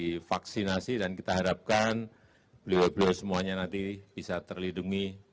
divaksinasi dan kita harapkan beliau beliau semuanya nanti bisa terlindungi